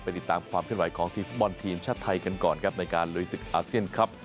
ติดตามความขึ้นไหวของทีมฟุตบอลทีมชาติไทยกันก่อนครับในการลุยศึกอาเซียนครับ